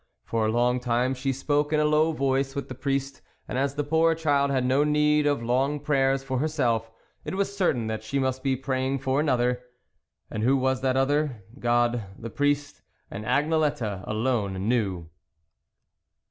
For a long time she spoke in a low voice with the priest, and as the poor child had no need of long prayers for herself, it was certain that she must be praying for another. And who was that other ? God, the priest, and Agnelette alone knew.